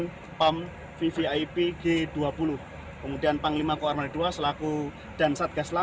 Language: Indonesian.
kalkadet enam memasukkan pam vvip g dua puluh kemudian pam lima k dua selaku dan satgaslah